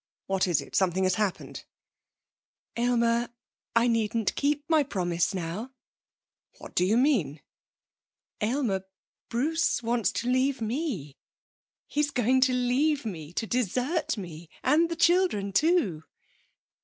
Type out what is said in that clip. What is it? Something has happened!' 'Aylmer, I needn't keep my promise now.' 'What do you mean?' 'Aylmer, Bruce wants to leave me. He's going to leave me to desert me. And the children, too.'